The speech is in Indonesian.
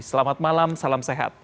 selamat malam salam sehat